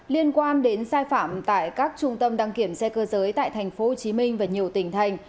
liên quan đến sai phạm tại các trung tâm đăng kiểm xe cơ giới tại tp hcm và nhiều tỉnh thành